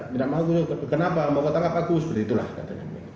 tidak mau kenapa mau ke tangkap aku seperti itulah katanya